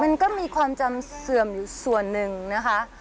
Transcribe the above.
มันก็มีความจำเสื่อมอยู่ส่วนหนึ่งนะคะ